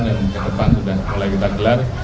dan ke depan sudah mulai kita kelar